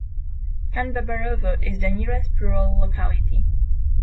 Kandabarovo is the nearest rural locality.